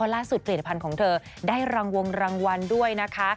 ล่าสุดเกรดภัณฑ์ของเธอได้รังวงรางวัลด้วยนะคะ